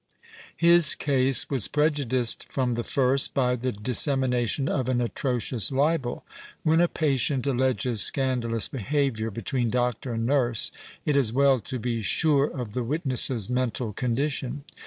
His case was prejudiced from the first by the dis semination of an atrocious libel. When a patient alleges scandalous behaviour between doctor and nurse, it is well to be sure of the witness's mental condition.